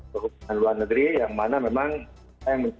dengan luar negeri yang memang kita yang mencintai